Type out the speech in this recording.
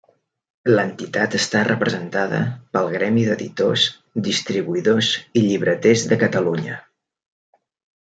L'entitat està representada pel gremi d'editors, distribuïdors i llibreters de Catalunya.